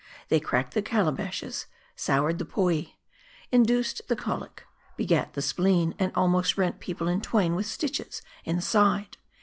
They cracked the calabashes ; soured the "poee;" induced the colic; begat the spleen; and almost rent people in twain with stitches in the side.